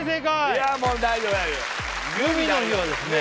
いやもう大丈夫大丈夫グミの日はですね